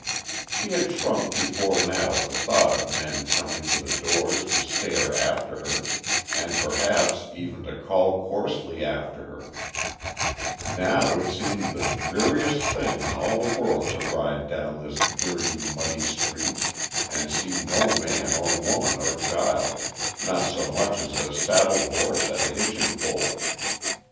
She had shrunk before now at the thought of men coming to the doors to stare after her, and perhaps even to call coarsely after her; now it seemed the dreariest thing in all the world to ride down this dirty, muddy street and see no man or woman or child, not so much as a saddled horse at a hitching pole.